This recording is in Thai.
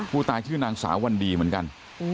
ผู้ตายชื่อนางสาววันดีเหมือนกัน